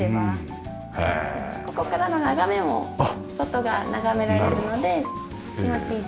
ここからの眺めも外が眺められるので気持ちいいです。